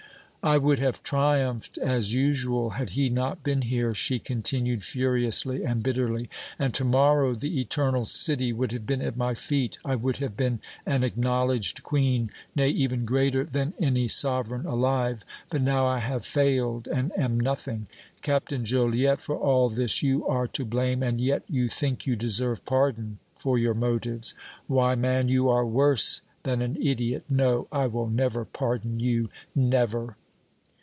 "I would have triumphed as usual had he not been here," she continued, furiously and bitterly, "and to morrow the Eternal City would have been at my feet, I would have been an acknowledged queen, nay, even greater than any sovereign alive, but now I have failed and am nothing! Captain Joliette, for all this you are to blame, and yet you think you deserve pardon for your motives! Why, man, you are worse than an idiot! No, I will never pardon you, never!"